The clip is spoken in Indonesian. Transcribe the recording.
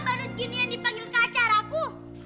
nggak sabar dudginian dipanggil ke acara aku